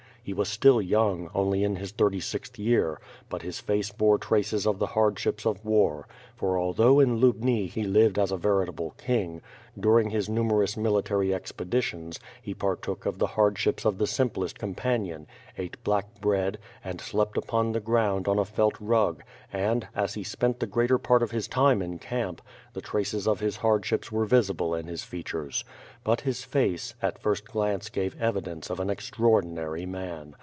lie was still young, only in his thirty sixth year, but his face bore traces of the hardships of war, for although in Jjubni he lived as a veritable king; during his numerous military expeditions, he partook of the hardships of the simplest com])anion, eat black bread, and slept upon the ground on a felt rug, and, as he spent the greater part of his time in camp, the traces of his hardships were visible in his features. But his face, at first glance g?\e evidence of an extraordinary man.